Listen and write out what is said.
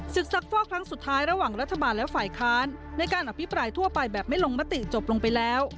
ซักฟอกครั้งสุดท้ายระหว่างรัฐบาลและฝ่ายค้านในการอภิปรายทั่วไปแบบไม่ลงมติจบลงไปแล้ว